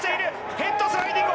ヘッドスライディング！